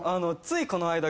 ついこの間。